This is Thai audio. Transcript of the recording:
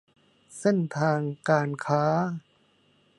เส้นทางการค้า